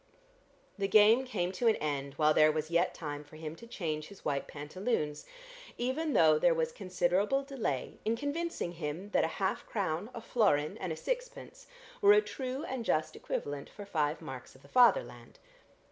The game came to an end while there was yet time for him to change his white pantaloons, even though there was considerable delay in convincing him that a half crown, a florin and a sixpence were a true and just equivalent for five marks of the Fatherland.